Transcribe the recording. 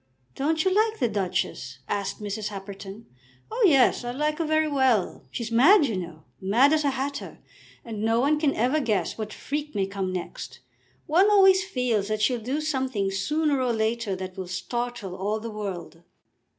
"Don't you like the Duchess?" asked Mrs. Happerton. "Oh, yes; I like her very well. She's mad, you know, mad as a hatter, and no one can ever guess what freak may come next. One always feels that she'll do something sooner or later that will startle all the world."